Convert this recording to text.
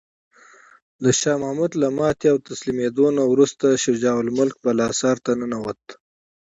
د شاه محمود له ماتې او تسلیمیدو نه وروسته شجاع الملک بالاحصار ته ننوت.